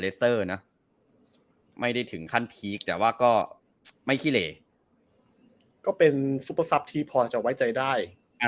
เลสเตอร์นะไม่ได้ถึงขั้นพีคแต่ว่าก็ไม่คิเลก็เป็นซุปเปอร์ที่พอจะไว้ใจได้